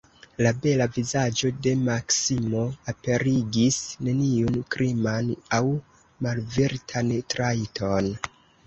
La bela vizaĝo de Maksimo aperigis neniun kriman aŭ malvirtan trajton.